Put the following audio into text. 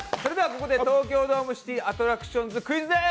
ここで東京ドームシティアトラクションズクイズです。